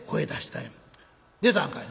「出たんかい？」。